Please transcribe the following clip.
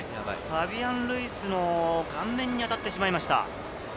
ファビアン・ルイスの顔面に当たってしまいました。